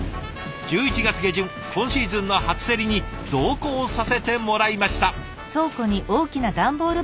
１１月下旬今シーズンの初競りに同行させてもらいました。